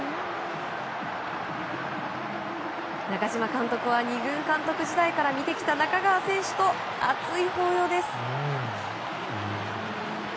中嶋監督は２軍監督時代から見てきた中川選手と熱い抱擁です。